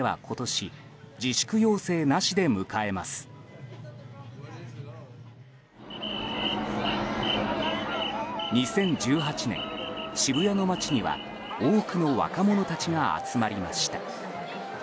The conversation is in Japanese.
２０１８年、渋谷の街には多くの若者たちが集まりました。